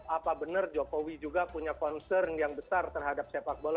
apa benar jokowi juga punya concern yang besar terhadap sepak bola